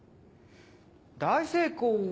大成功。